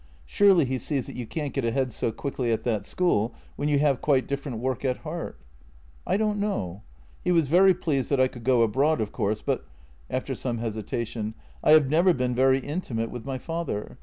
Surely he sees that you can't get ahead so quickly at that school, when you have quite different work at heart? "" I don't know. He was very pleased that I could go abroad, of course, but" — after some hesitation — "I have never been very intimate with my father.